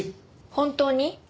本当に？